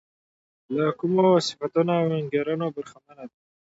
له کومو صفتونو او انګېرنو برخمنه ده.